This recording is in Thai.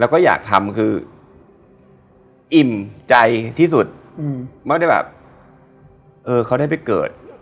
แล้วก็อยากทำคืออิ่มใจที่สุดไม่ได้แบบเออเขาได้ไปเกิด